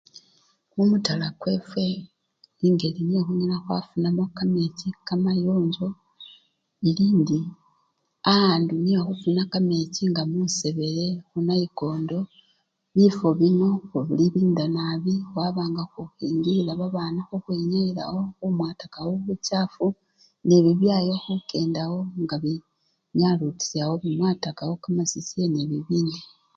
Mumutala kwefwe engeli nyo khunyala khufuna kamechi kamayonjo elindi ,Aandu nyokhufuna kamechi nga musebele, khunayikondo bifwo bino khubilinda nabii khwaba nga khukhingilila babana khukhwinyayilawo khumwatakawo buchafu nebibyayo khukendakawo nga binyalutishawo nekhumwatakawo kamasisye nebibindi.